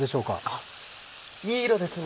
あっいい色ですね。